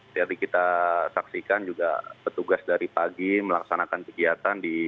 jadi kita saksikan juga petugas dari pagi melaksanakan kegiatan di